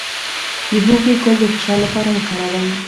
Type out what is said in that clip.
د هوږې ګل د فشار لپاره وکاروئ